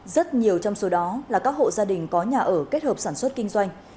rất nhiều trong số đó là các hộ gia đình có nhà ở kết hợp sản xuất kinh doanh